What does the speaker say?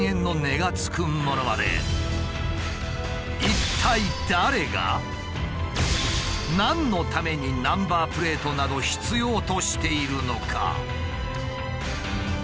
一体誰が何のためにナンバープレートなど必要としているのか？